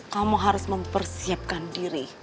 kamu harus mempersiapkan diri